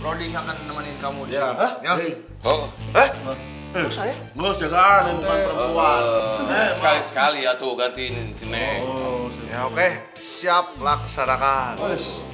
tadi gak diangkat angkat teleponnya sama kamu